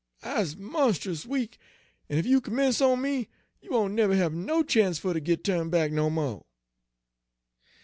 'I's monst'us weak, en ef you 'mence on me, you won't nebber hab no chance fer ter git turn' back no mo'.'